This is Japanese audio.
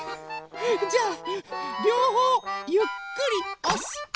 じゃありょうほうゆっくりおす。